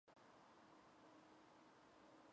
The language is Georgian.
ღია ლოჯია შეიძლება იყოს შემინული.